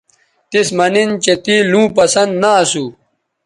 تِس مہ نن چہء تے لوں پسند نہ اسو